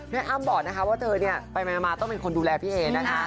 อ้ำบอกนะคะว่าเธอเนี่ยไปมาต้องเป็นคนดูแลพี่เอนะคะ